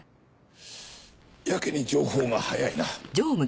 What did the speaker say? やけに情報が早いな。